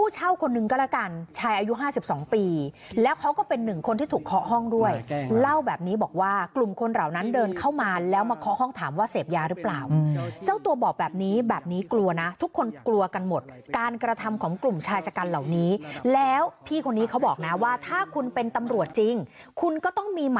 เช่าคนหนึ่งก็แล้วกันชายอายุ๕๒ปีแล้วเขาก็เป็นหนึ่งคนที่ถูกเคาะห้องด้วยเล่าแบบนี้บอกว่ากลุ่มคนเหล่านั้นเดินเข้ามาแล้วมาเคาะห้องถามว่าเสพยาหรือเปล่าเจ้าตัวบอกแบบนี้แบบนี้กลัวนะทุกคนกลัวกันหมดการกระทำของกลุ่มชายชะกันเหล่านี้แล้วพี่คนนี้เขาบอกนะว่าถ้าคุณเป็นตำรวจจริงคุณก็ต้องมีม